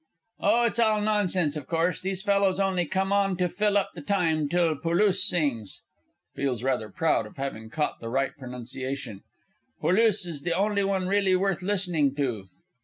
Oh, it's all nonsense, of course; these fellows only come on to fill up the time till Pôlusse sings (feels rather proud of having caught the right pronunciation). Pôlusse is the only one really worth listening to.